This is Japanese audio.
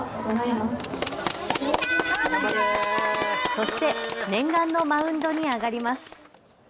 そして念願のマウンドに上がります。